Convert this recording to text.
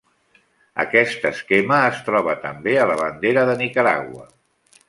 Aquest esquema es troba també a la bandera de Nicaragua.